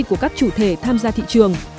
của các chủ thể tham gia thị trường